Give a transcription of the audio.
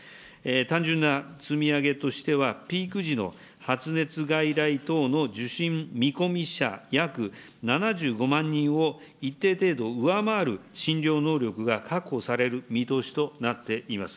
単純な積み上げとしては、ピーク時の発熱外来等の受診見込み者約７５万人を一定程度上回る診療能力が確保される見通しとなっております。